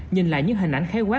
nhìn lại những hình ảnh khéo quá